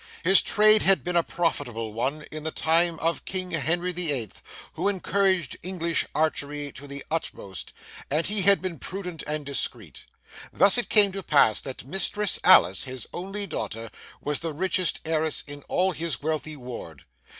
His trade had been a profitable one in the time of King Henry the Eighth, who encouraged English archery to the utmost, and he had been prudent and discreet. Thus it came to pass that Mistress Alice, his only daughter, was the richest heiress in all his wealthy ward.